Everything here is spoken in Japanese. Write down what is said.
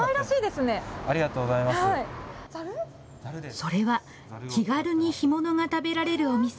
それは気軽に干物が食べられるお店。